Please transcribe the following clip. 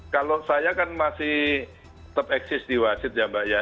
kalau saya kan masih tetap eksis di wasit ya mbak ya